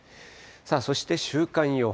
そして、週間予報。